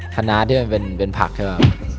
ขนาดที่มันเป็นผักใช่ปะ